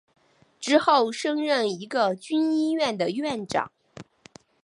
之后升任一个军医院的院长。